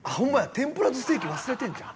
天ぷらとステーキ忘れてるんちゃう？